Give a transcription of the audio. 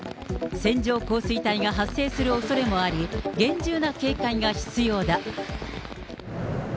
線状降水帯が発生するおそれもあり、厳重な警戒が必要だ。